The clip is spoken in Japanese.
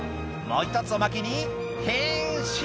「もう１つおまけに変身！」